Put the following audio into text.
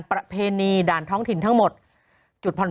โหยวายโหยวายโหยวายโหยวาย